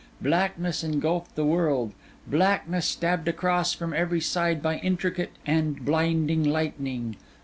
Blackness engulfed the world; blackness, stabbed across from every side by intricate and blinding lightning.